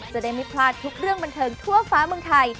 จะได้ไม่พลาดทุกเรื่องบันเทิงทั่วฟ้าเมืองไทย